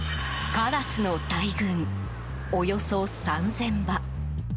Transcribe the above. カラスの大群およそ３０００羽。